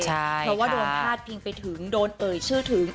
เพราะว่าโดนพาดพิงไปถึงโดนเอ่ยชื่อถึง